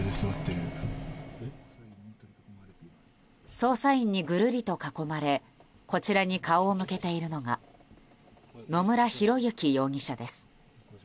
捜査員にぐるりと囲まれこちらに顔を向けているのが野村広之容疑者です。